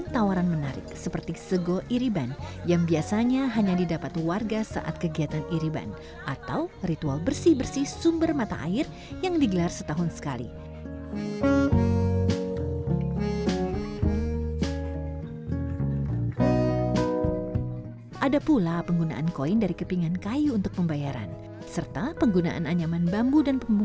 salah satunya itu kegiatan ekonomi kreatif lokal yang menghidupi para warga selama pandemi